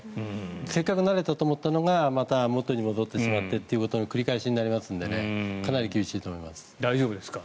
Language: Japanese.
せっかく慣れたと思ったのがまた元に戻ってしまってという繰り返しになりますので大丈夫ですか？